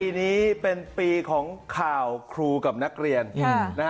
ปีนี้เป็นปีของข่าวครูกับนักเรียน